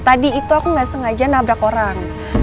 tadi itu aku nggak sengaja nabrak orang